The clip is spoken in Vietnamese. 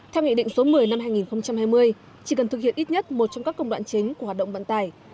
theo nghị định số một mươi năm hai nghìn hai mươi chỉ cần thực hiện ít nhất một trong các công đoạn chính của hoạt động vận tải